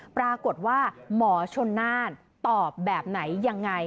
ปรากฏว่าหมอชนน่านตอบแบบไหนยังไง